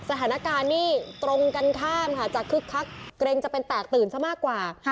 สถานการณ์นี่ตรงกันข้ามค่ะจะคึกคักเกรงจะเป็นแตกตื่นซะมากกว่า